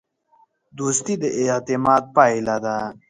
دوستي د اعتماد پایله ده.